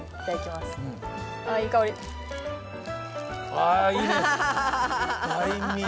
ああいいね。